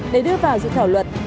để đưa vào dự thảo luật